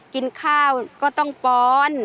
กินข้าวก็ต้องฟ้อน